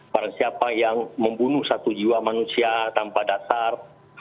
para siapa yang membunuh satu jiwa manusia tanpa dasar